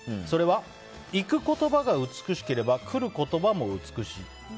それは、行く言葉が美しければ、来る言葉も美しい。